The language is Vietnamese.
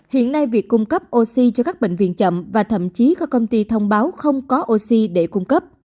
hiện nay việc cung cấp oxy cho các bệnh viện chậm và thậm chí các công ty thông báo không có oxy để cung cấp